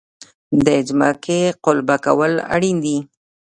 د ځمکې قلبه کول اړین دي.